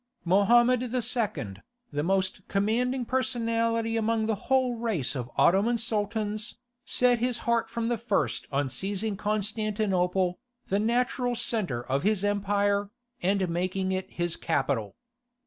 Mohammed II., the most commanding personality among the whole race of Ottoman Sultans, set his heart from the first on seizing Constantinople, the natural centre of his empire, and making it his capital.